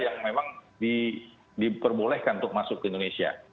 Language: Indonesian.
yang memang diperbolehkan untuk masuk ke indonesia